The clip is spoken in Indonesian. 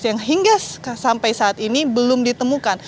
yang hingga sampai saat ini belum ditemukan